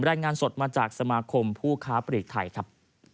รายงานสดมาจากสมาคมผู้ค้าปลีกไทยครับ